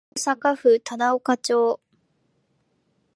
大阪府忠岡町